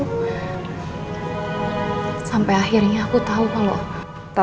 aku juga gak paham kenapa dari awal aku disuruh merahasiakan ini semua dari kamu